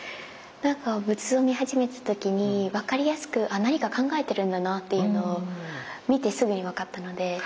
何か仏像見始めた時に分かりやすくあ何か考えてるんだなっていうのを見てすぐに分かったので。